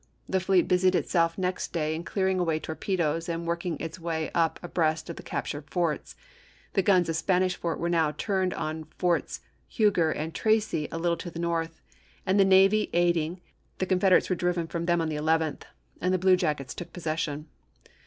The fleet busied itself next day in clearing away torpedoes and working its way up abreast of the captured forts. The guns of Spanish Fort were now turned on Forts Huger and Tracy a little to the north, and the navy aid Vol. IX.— 16 242 ABKAHAM LINCOLN chap. x. ing, the Confederates were driven from them on Apr., 1865. the 11th and the blue jackets took possession.